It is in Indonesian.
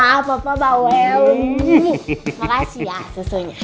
makasih ya susunya